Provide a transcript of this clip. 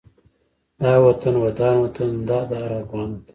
دا وطن ودان وطن دا د هر افغان وطن